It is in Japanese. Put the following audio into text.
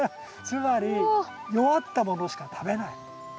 つまり弱ったものしか食べない。